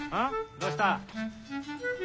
どうした？